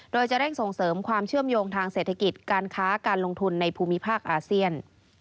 โดยจะเร่งส่งเสริมความเชื่อมโยงทางเศรษฐกิจการค้าการลงทุนในภูมิภาคอาเซียน